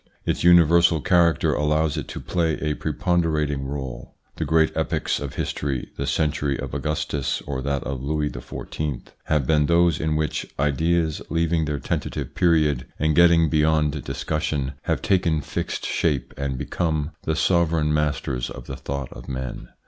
Its universal character allows it to play a preponderating role. The great epochs of history, the century of Augustus or that of Louis XIV., have been those in which ideas, leaving their tentative ITS INFLUENCE ON THEIR EVOLUTION 179 period and getting beyond discussion, have taken fixed shape and become the sovereign masters of the thought of men.